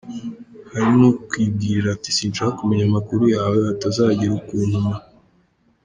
Hari n’ukwibwirira ati sinshaka kumenya amakuru yawe hatazagira ukuntuma!